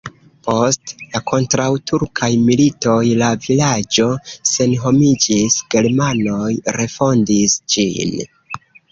Post la kontraŭturkaj militoj la vilaĝo senhomiĝis, germanoj refondis ĝin.